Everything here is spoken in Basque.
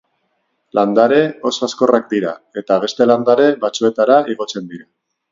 Landare oso hazkorrak dira, eta beste landare batzuetara igotzen dira.